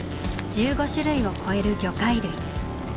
１５種類を超える魚介類。